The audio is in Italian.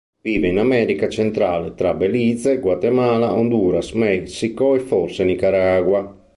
Vive in America Centrale tra Belize, Guatemala, Honduras, Messico e, forse, Nicaragua.